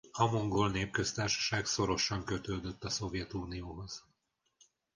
A Mongol Népköztársaság szorosan kötődött a Szovjetunióhoz.